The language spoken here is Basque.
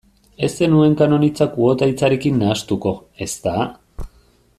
Ez zenuen kanon hitza kuota hitzarekin nahastuko, ezta?